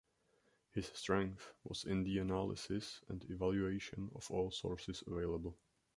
His strength was in the analysis and evaluation of all sources available.